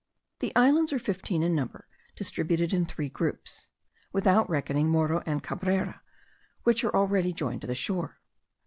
The islands are fifteen in number, distributed in three groups;* without reckoning Morro and Cabrera, which are already joined to the shore.